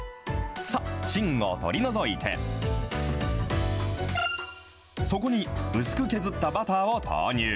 さあ、芯を取り除いて、そこに薄く削ったバターを投入。